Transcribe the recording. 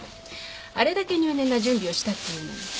あれだけ入念な準備をしたっていうのに。